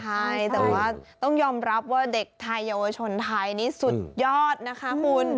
แต่ว่าต้องยอมรับว่าเด็กชนไทยนี้สุดยอดนะคะคน